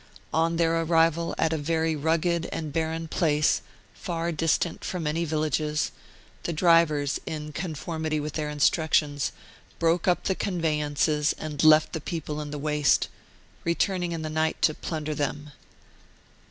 . On their arrival at a very rugged and barren place, far distant from any^villages, the drivers, in conformity with their instructions, broke Martyred Armenia 39 up the conveyances and left the people in the waste, returning in the night to plunder them.